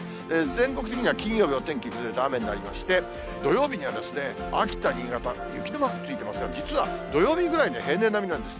全国的には金曜日、お天気崩れて雨になりまして、土曜日には、秋田、新潟、雪のマークついてますが、実は、土曜日ぐらいが平年並みなんです。